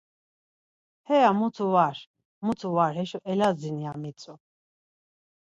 Heya mutu var, mutu var heşo eladzin ya mitzu.